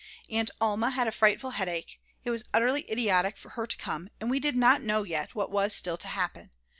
Aunt Alma had a frightful headache; it was utterly idiotic for her to come, and we did not know yet what was still to happen.